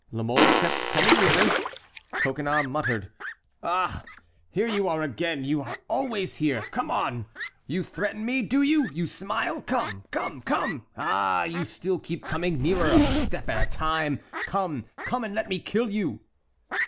La Mole kept coming nearer. Coconnas muttered: "Ah! here you are again! you are always here! Come on! You threaten me, do you! you smile! Come, come, come! ah, you still keep coming nearer, a step at a time! Come, come, and let me kill you."